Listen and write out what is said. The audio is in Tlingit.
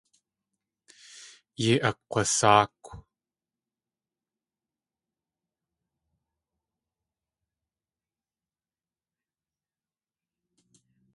Yéi akg̲wasáakw.